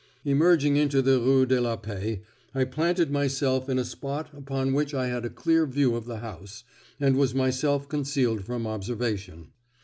Emerging into the Rue de la Paix, I planted myself in a spot from which I had a clear view of the house, and was myself concealed from observation.